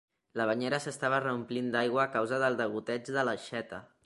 La banyera s'estava reomplint d'aigua a causa del degoteig de l'aixeta.